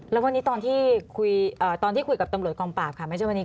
แล้ววันนี้ตอนที่คุยกับตำรวจกองปราบค่ะไม่ใช่วันนี้